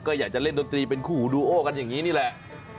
ก็อยากจะเล่นดนตรีเป็นคู่หูดูโอกันอย่างนี้นี่แหละ